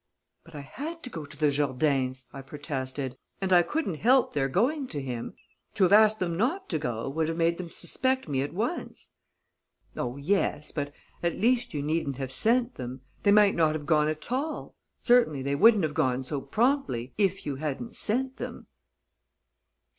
"But I had to go to the Jourdains'," I protested, "and I couldn't help their going to him to have asked them not to go would have made them suspect me at once." "Oh, yes; but, at least, you needn't have sent them. They might not have gone at all certainly they wouldn't have gone so promptly if you hadn't sent them."